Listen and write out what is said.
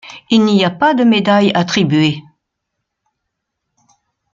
Il n'y a pas de médaille attribuée.